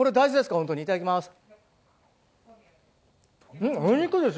本当に、いただきます。